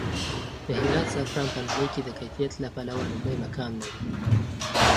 د هرات زعفران په نړۍ کې د کیفیت له پلوه لومړی مقام لري.